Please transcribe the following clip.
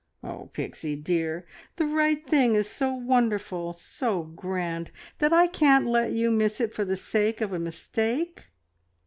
... Oh, Pixie, dear, the right thing is so wonderful, so grand, that I can't let you miss it for the sake of a mistake.